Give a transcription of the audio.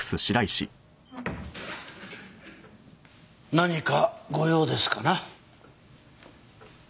何かご用ですかな？